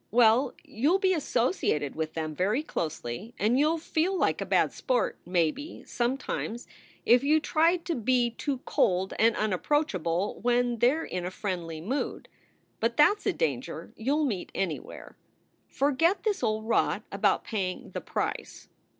Well, you ll be associated with them very closely, and you ll feel like a bad sport, maybe, sometimes, if you try to be too cold and unapproachable when they re in a friendly mood. But that s a danger you ll meet anywhere. "Forget this old rot about paying the Price.